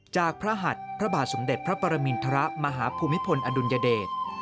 จากพระหัดพระบาทสมเด็จพระปรมินทรมาฮภูมิพลอดุลยเดช